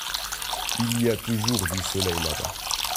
Il y a toujours du soleil là-bas.